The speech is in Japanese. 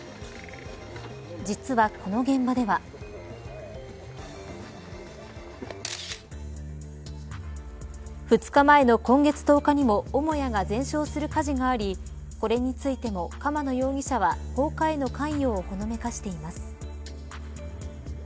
実は、この現場では２日前の今月１０日にも母屋が全焼する火事がありこれについても、釜野容疑者は放火への関与をほのめかしています。